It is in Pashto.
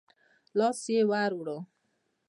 لاس يې ور ووړ.